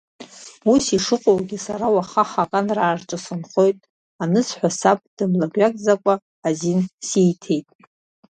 Ус ишыҟоугьы сара уаха Ҳақанраарҿы сынхоит анысҳәа саб дымлакҩакӡакәа азин сиҭеит.